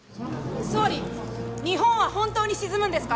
総理日本は本当に沈むんですか！？